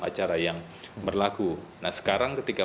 acara yang berlaku nah sekarang ketika